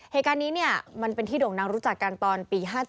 เหตุการณ์นี้มันเป็นที่โด่งดังรู้จักกันตอนปี๕๗